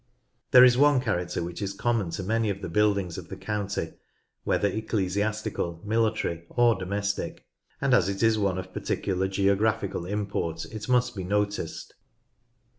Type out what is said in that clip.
There is one character which is common to many of the buildings of the county, whether ecclesiastical, military, or domestic, and as it is one of particular geographical import, it must be noticed.